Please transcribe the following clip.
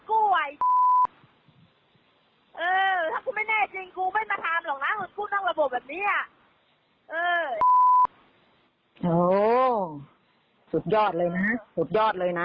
โอ้โหสุดยอดเลยนะสุดยอดเลยนะ